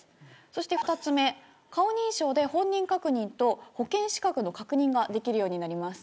そして２つ目、顔認証で本人確認と保険資格の確認ができるようになります。